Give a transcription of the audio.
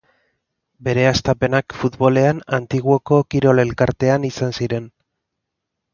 Bere hastapenak futbolean Antiguoko Kirol Elkartean izan ziren.